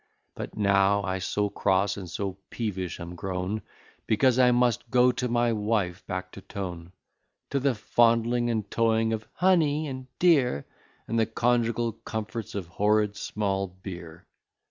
But now I so cross, and so peevish am grown, Because I must go to my wife back to town; To the fondling and toying of "honey," and "dear," And the conjugal comforts of horrid small beer.